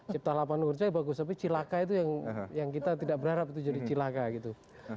cipta lapangan kerja bagus tapi cilaka itu yang kita tidak berharap itu jadi cilaka gitu